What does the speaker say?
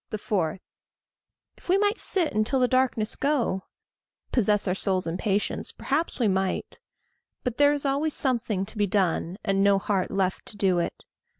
4. If we might sit until the darkness go, Possess our souls in patience perhaps we might; But there is always something to be done, And no heart left to do it.